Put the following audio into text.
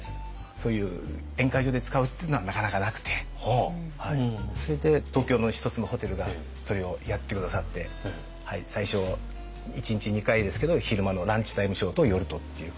そういう宴会場で使うっていうのはなかなかなくてそれで東京の１つのホテルがそれをやって下さって最初一日２回ですけど昼間のランチタイムショーと夜とっていうことで。